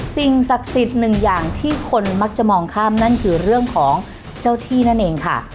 สิ่งศักดิ์สิทธิ์หนึ่งอย่างที่คนมักจะมองข้ามนั่นคือเรื่องของเจ้าที่นั่นเองค่ะ